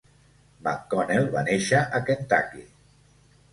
McConnell va néixer a Kentucky.